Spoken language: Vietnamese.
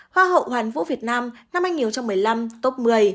hoa hậu hoàn vũ việt nam năm hai nghìn một mươi năm top một mươi